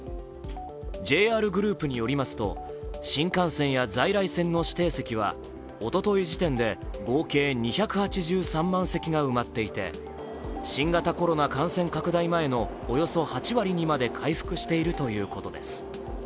ＪＲグループによりますと、新幹線や在来線の指定席はおととい時点で合計２８３万席が埋まっていて新型コロナ感染拡大前のおよそ８割にまで回復しているということです。